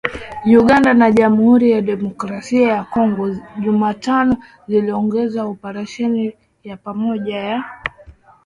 Uganda na Jamhuri ya Kidemokrasia ya Kongo Jumatano ziliongeza operesheni ya pamoja ya kijeshi